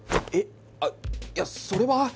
えっいやそれは。